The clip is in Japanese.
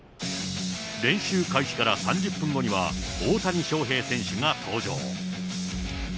練習開始から３０分後には、大谷翔平選手が登場。